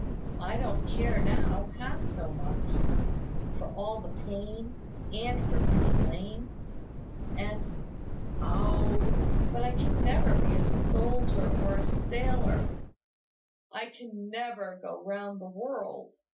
I don't care now, half so much, for all the pain, and for being lame, and Oh! But I can never be a soldier or a sailor I can never go round the world!